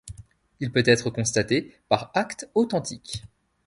Il peut être constaté par acte authentique.